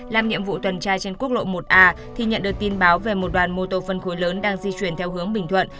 làm nhiệm vụ tuần tra trên quốc lộ một a thì nhận được tin báo về một đoàn mô tô phân khối lớn đang di chuyển theo hướng bình thuận